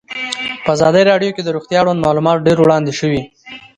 په ازادي راډیو کې د روغتیا اړوند معلومات ډېر وړاندې شوي.